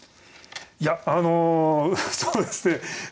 いやあのそうですね。